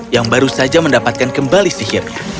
yang baru saja mendapatkan kembali sihirnya